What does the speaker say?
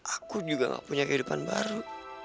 aku juga gak punya kehidupan baru